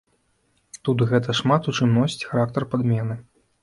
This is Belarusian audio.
Тут гэта шмат у чым носіць характар падмены.